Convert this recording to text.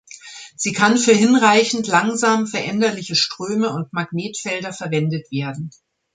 Sie kann für hinreichend langsam veränderliche Ströme und Magnetfelder verwendet werden.